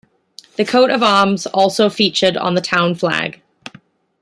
The coat of arms is also featured on the town flag.